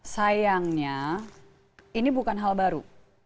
sayangnya ini bukan hal baru